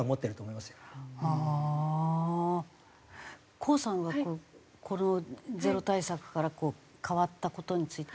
高さんはこのゼロ対策からこう変わった事について。